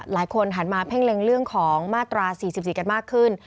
หันมาเพ่งเล็งเรื่องของมาตรา๔๔กันมากขึ้น